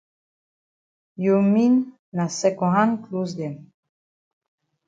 You mean na second hand closs dem.